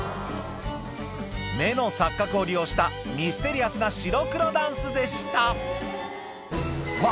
目の錯覚を利用したミステリアスな白黒ダンスでしたうわ！